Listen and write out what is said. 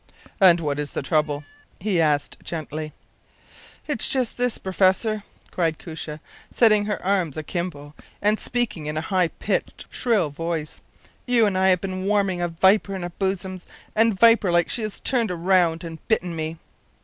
“And what is the trouble?” he asked, gently. “It’s just this, professor,” cried Koosje, setting her arms akimbo and speaking in a high pitched, shrill voice; “you and I have been warming a viper in our bosoms, and, viper like, she has turned round and bitten me.